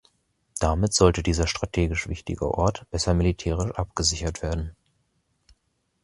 Damit sollte dieser strategisch wichtige Ort besser militärisch abgesichert werden.